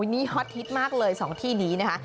นี่ฮอตฮิตมากเลย๒ที่นี้นะคะ